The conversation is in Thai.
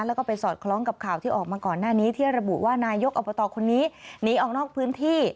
แล้วก็ไปสอดคล้องกับข่าวที่ออกมาก่อนหน้านี้ที่ระบุว่านายกอบตคนนี้หนีออกนอกพื้นที่